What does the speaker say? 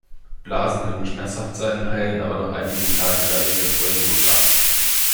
Blasen können schmerzhaft sein, heilen aber nach einigen Tagen in der Regel folgenlos ab.